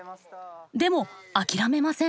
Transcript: でも諦めません。